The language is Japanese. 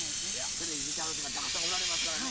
テレビ見てはる人がたくさんおられますからね